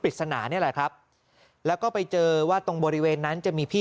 สนานี่แหละครับแล้วก็ไปเจอว่าตรงบริเวณนั้นจะมีพี่